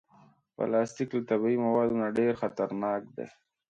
پلاستيک له طبعي موادو نه ډېر خطرناک دی.